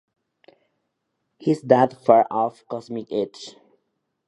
Has that far-off cosmic itch.